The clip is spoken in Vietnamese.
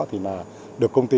thì là được công ty